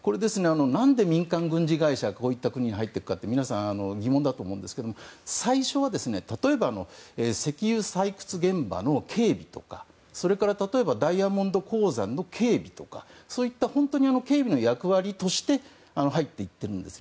なんで民間軍事会社がこういった国に入っていくか皆さん、疑問だと思うんですが最初は、例えば石油採掘現場の警備とかそれから例えばダイヤモンド鉱山の警備とかそういった警備の役割として入っていってるんです。